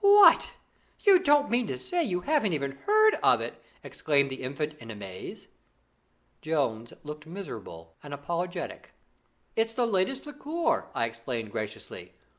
'What! you don't mean to say you haven't even heard of it?' cried the Infant in amaze. Jones looked miserable and apologetic. 'It's the latest liqueur,' I explained graciously.